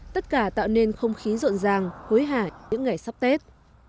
tất cả tạo nên không khí rộn ràng hối hả những ngày sắp tết